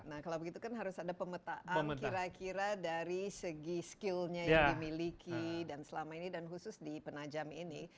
nah kalau begitu kan harus ada pemetaan kira kira dari segi skillnya yang dimiliki dan selama ini dan khusus di penajam ini